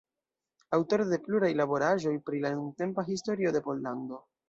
Aŭtoro de pluraj laboraĵoj pri la nuntempa historio de Pollando.